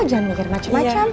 jangan bikin macem macem